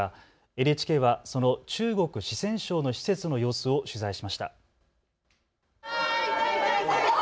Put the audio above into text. ＮＨＫはその中国・四川省の施設の様子を取材しました。